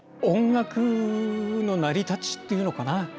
音楽の成り立ちっていうのかな。